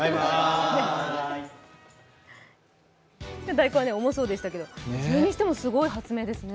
大根、重そうでしたけど、それにしてもすごい発明ですね。